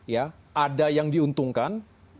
ya ada yang diuntungkan